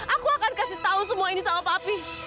aku akan kasih tahu semua ini sama papi